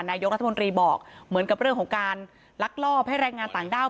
นายกรัฐมนตรีบอกเหมือนกับเรื่องของการลักลอบให้แรงงานต่างด้าว